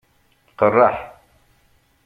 Qeṛṛeḥ.